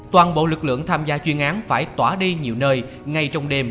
toàn bộ lực lượng tham gia chuyên án phải tỏa đi nhiều nơi ngay trong đêm